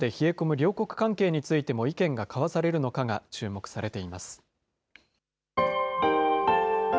両国関係についても意見が交わされるのかが注目されています。